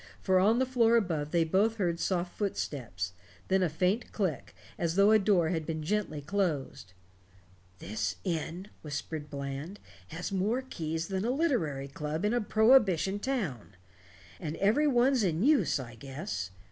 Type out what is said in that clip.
For on the floor above they both heard soft footsteps then a faint click, as though a door had been gently closed. "This inn," whispered Bland, "has more keys than a literary club in a prohibition town. And every one's in use, I guess.